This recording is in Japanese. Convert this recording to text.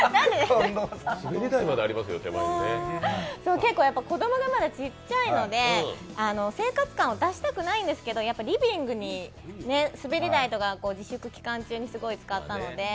結構、子供がまだちっちゃいので生活感を出したくないんですけど、リビングに滑り台とか自粛期間中に結構使ったので。